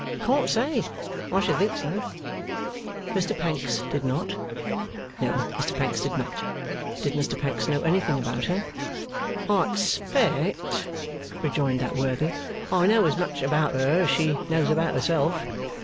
'Can't say. I should think so.' Mr Pancks did not? No, Mr Pancks did not. Did Mr Pancks know anything about her? 'I expect,' rejoined that worthy, 'I know as much about her as she knows about herself.